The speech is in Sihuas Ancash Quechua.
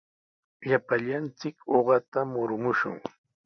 Llapallanchik uqata murumushun.